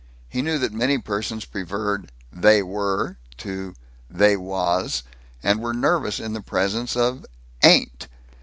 He knew that many persons preferred "They were" to "They was," and were nervous in the presence of "ain't."